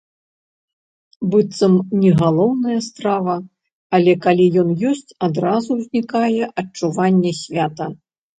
Быццам не галоўная страва, але калі ён ёсць, адразу ўзнікае адчуванне свята.